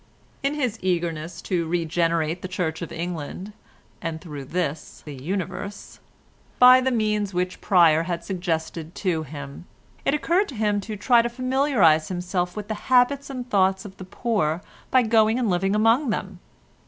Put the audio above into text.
In his eagerness to regenerate the Church of England (and through this the universe) by the means which Pryer had suggested to him, it occurred to him to try to familiarise himself with the habits and thoughts of the poor by going and living among them.